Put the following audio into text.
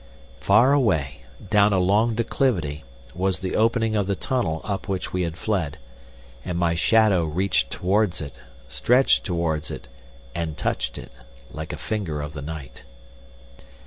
Far away, down a long declivity, was the opening of the tunnel up which we had fled, and my shadow reached towards it, stretched towards it, and touched it, like a finger of the night.